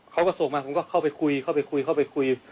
เขาก็ส่งมาผมก็เข้าไปคุยเข้าไปคุยเข้าไปคุย